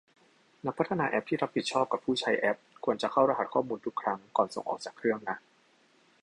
นักพัฒนาแอปที่รับผิดชอบกับผู้ใช้แอป ควรจะเข้ารหัสข้อมูลทุกครั้งก่อนส่งออกจากเครื่องนะ